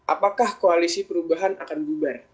apakah koalisi perubahan akan bubar